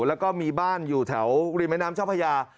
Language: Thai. แล้วก็มีบ้านอยู่แถวริมแม่น้ำเจ้าพญา